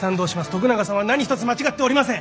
徳永さんは何一つ間違っておりません。